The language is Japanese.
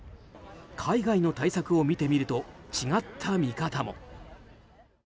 海外の対策を見てみると違った見方も。